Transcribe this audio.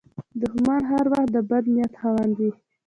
دښمن هر وخت د بد نیت خاوند وي